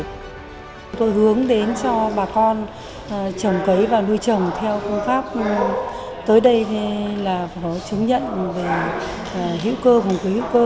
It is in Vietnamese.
chúng tôi hướng đến cho bà con trồng cấy và nuôi trồng theo phương pháp tới đây là phải có chứng nhận về hữu cơ vùng khí hữu cơ